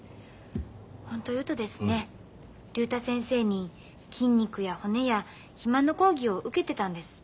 ホント言うとですね竜太先生に筋肉や骨や肥満の講義を受けてたんです。